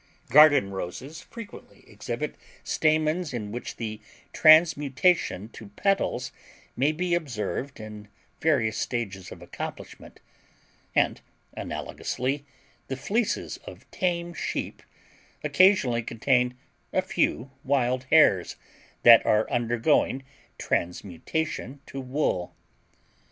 Garden roses frequently exhibit stamens in which the transmutation to petals may be observed in various stages of accomplishment, and analogously the fleeces of tame sheep occasionally contain a few wild hairs that are undergoing transmutation to wool.